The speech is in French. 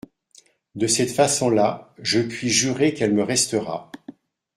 De cette façon-là, je puis jurer qu'elle me restera.